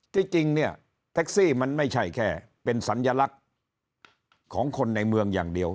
จริงเนี่ยแท็กซี่มันไม่ใช่แค่เป็นสัญลักษณ์ของคนในเมืองอย่างเดียว